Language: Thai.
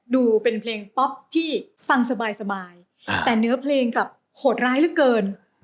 ดูเป็นเพลงป๊อปที่ฟังสบายแต่เนื้อเพลงกับโหดร้ายเหลือเกิน